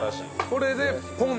これでポン！